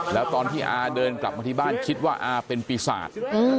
แล้วตอนที่อาเดินกลับมาที่บ้านคิดว่าอาเป็นปีศาจ